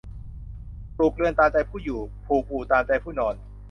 ปลูกเรือนตามใจผู้อยู่ ผูกอู่ตามใจผู้นอน